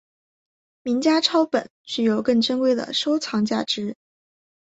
名家抄本具有更珍贵的收藏价值。